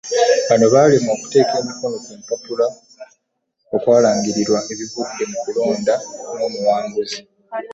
Bano baalemwa okuteeka emikono ku mpapula okwalangirirwa ebivudde mu kulonda n'omuwanguzi.